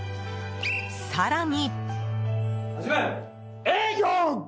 更に。